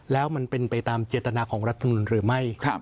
แล้วมันเป็นไปตามเจตนาของรัฐมนุนหรือไม่